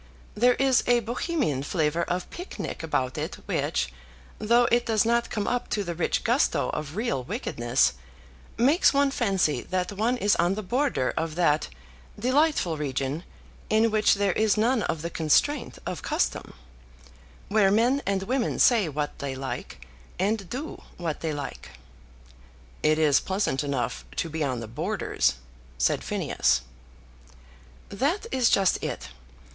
There is a Bohemian flavour of picnic about it which, though it does not come up to the rich gusto of real wickedness, makes one fancy that one is on the border of that delightful region in which there is none of the constraint of custom, where men and women say what they like, and do what they like." "It is pleasant enough to be on the borders," said Phineas. "That is just it.